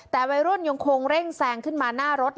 แต่วัยรุ่นยังคงเร่งแซงขึ้นมาหน้ารถ